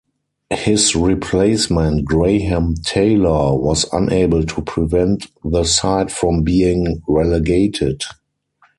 His replacement, Graham Taylor, was unable to prevent the side from being relegated.